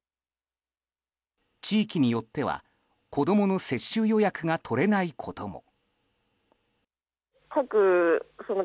地域によっては子供の接種予約が取れないことも。